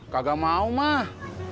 kagak mau mah